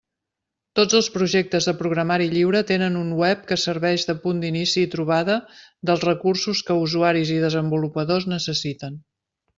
Tots els projectes de programari lliure tenen un web que serveix de punt d'inici i trobada dels recursos que usuaris i desenvolupadors necessiten.